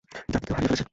যাকে কেউ হারিয়ে ফেলেছে।